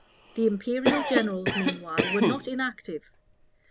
The imperial generals meanwhile were not inactive.